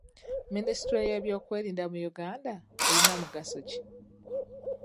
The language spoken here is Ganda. Minisitule y'ebyokwerinda mu Uganda erina mugaso ki?